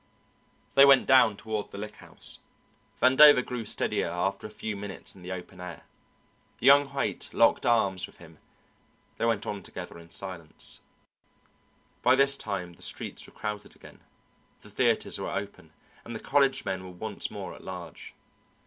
They went down toward the Lick House. Vandover grew steadier after a few minutes in the open air. Young Haight locked arms with him; they went on together in silence. By this time the streets were crowded again, the theatres were over, and the college men were once more at large.